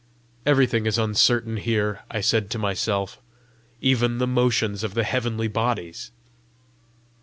"Everything is uncertain here," I said to myself, " even the motions of the heavenly bodies!"